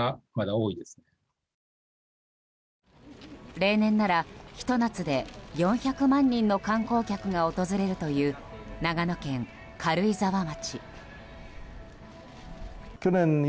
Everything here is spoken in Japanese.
例年ならひと夏で４００万人の観光客が訪れるという長野県軽井沢町。